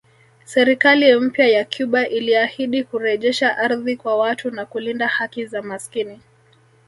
Serikali mpya ya Cuba iliahidi kurejesha ardhi kwa watu na kulinda haki za maskini